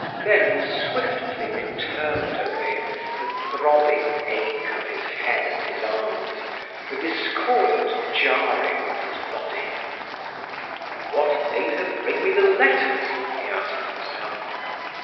Then swiftly returned over him the throbbing ache of his head and his arms, the discordant jarring of his body. "What made her bring me the letters?" he asked himself.